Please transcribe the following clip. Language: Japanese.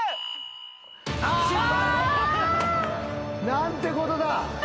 何てことだ。